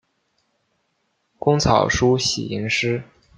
工草书喜吟诗。